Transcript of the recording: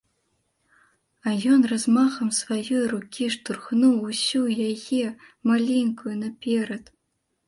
А ён размахам сваёй рукі штурхнуў усю яе, маленькую, наперад.